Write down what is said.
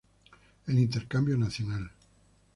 El intercambio nacional.